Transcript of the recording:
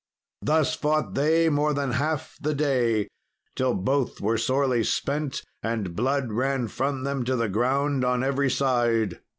] Thus fought they more than half the day, till both were sorely spent and blood ran from them to the ground on every side.